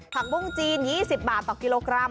ผักบุ้งจีน๒๐บาทต่อกิโลกรัม